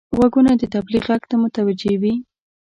غوږونه د تبلیغ غږ ته متوجه وي